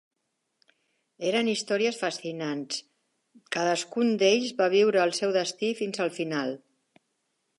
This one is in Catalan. Eren històries fascinants: cadascun d'ells va viure el seu destí fins al final.